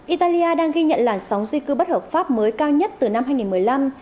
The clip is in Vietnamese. italia đang ghi nhận làn sóng di cư bất hợp pháp mới cao nhất từ năm hai nghìn một mươi năm